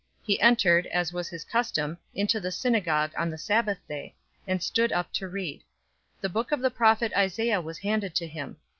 He entered, as was his custom, into the synagogue on the Sabbath day, and stood up to read. 004:017 The book of the prophet Isaiah was handed to him.